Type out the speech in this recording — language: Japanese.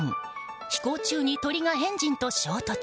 飛行中に鳥がエンジンと衝突。